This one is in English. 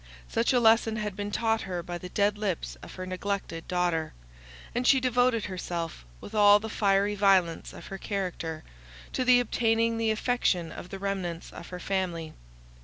Such a lesson had been taught her by the dead lips of her neglected daughter; and she devoted herself, with all the fiery violence of her character, to the obtaining the affection of the remnants of her family.